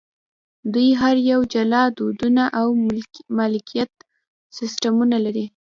دوی هر یو جلا دودونه او مالکیت سیستمونه لري.